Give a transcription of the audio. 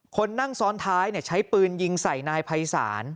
คนนั่งซ้อนท้ายใช้ปืนยิงใส่นายภัยศาล